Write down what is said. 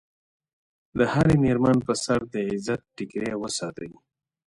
د هرې مېرمنې په سر د عزت ټیکری وساتئ.